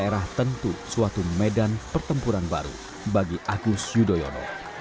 daerah tentu suatu medan pertempuran baru bagi agus yudhoyono